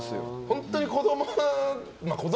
本当に子供。